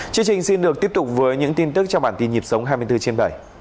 chương trình xin được tiếp tục với những tin tức trong bản tin nhịp sống hai mươi bốn trên bảy